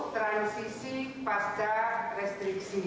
dari akademisi melakukan rapat teknis dengan tim pakar tadi malam